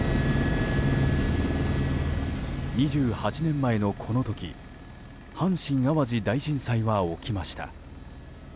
２８年前のこの時阪神・淡路大震災は起きました。